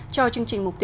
cho chương trình mục tiêu